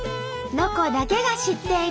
「ロコだけが知っている」。